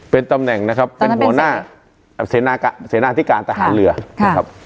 เป็นตำแหน่งนะครับเป็นหัวหน้าเสนาที่การทหารเรือนะครับ